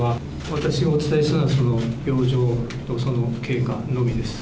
私がお伝えしたのは病状と、その経過のみです。